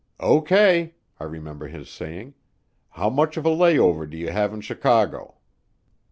"O.K.," I remember his saying, "how much of a layover do you have in Chicago?"